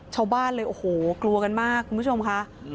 ชาวบ้านเลยโอ้โหกลัวกันมากคุณผู้ชมค่ะ